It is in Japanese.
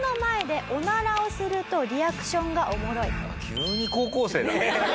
急に高校生だね。